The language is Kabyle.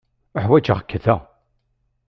Uḥwaǧeɣ-k da.